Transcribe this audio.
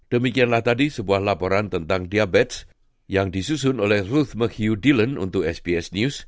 demikianlah tadi sebuah laporan tentang diabetes yang disusun oleh ruth mchugh dillon untuk sbs news